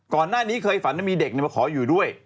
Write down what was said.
ก่อนหน้านี้เคยฝันว่ามีเด็กมาขออยู่ด้วย